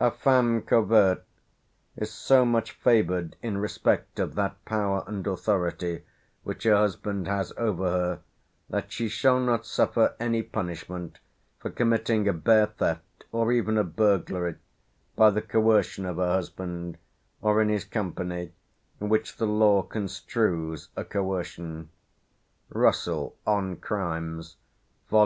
"A feme covert is so much favoured in respect of that power and authority which her husband has over her, that she shall not suffer any punishment for committing a bare theft, or even a burglary, by the coercion of her husband, or in his company, which the law construes a coercion" (Russell "On Crimes," vol.